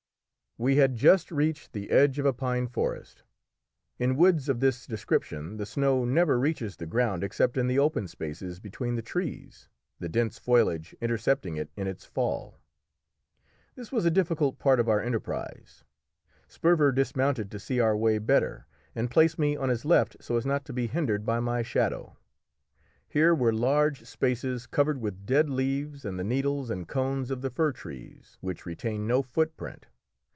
We had just reached the edge of a pine forest. In woods of this description the snow never reaches the ground except in the open spaces between the trees, the dense foliage intercepting it in its fall. This was a difficult part of our enterprise. Sperver dismounted to see our way better, and placed me on his left so as not to be hindered by my shadow. Here were large spaces covered with dead leaves and the needles and cones of the fir trees, which retain no footprint.